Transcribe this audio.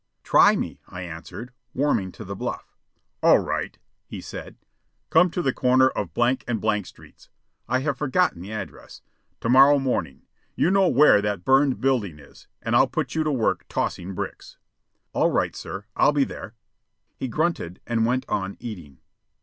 "Try me," I answered, warming to the bluff. "All right," he said. "Come to the corner of blank and blank streets" (I have forgotten the address) "to morrow morning. You know where that burned building is, and I'll put you to work tossing bricks." "All right, sir; I'll be there." He grunted and went on eating.